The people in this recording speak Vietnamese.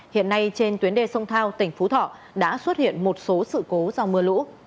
hiện nay trên tuyến đê sông thao tỉnh phú thọ đã xuất hiện một số sự cố do mưa lũ